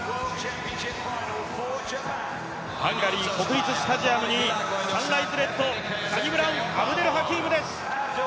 ハンガリー国立スタジアムにサンライズレッドのサニブラウン・アブデル・ハキームです。